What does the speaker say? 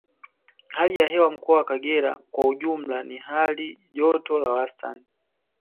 Hali ya hewa mkoa wa Kagera kwa ujumla ni ya joto la wastani